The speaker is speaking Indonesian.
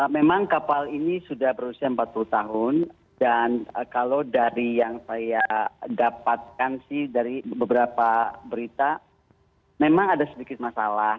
memang kapal ini sudah berusia empat puluh tahun dan kalau dari yang saya dapatkan sih dari beberapa berita memang ada sedikit masalah